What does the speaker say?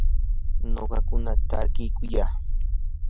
nuqakuna takiykuyaa.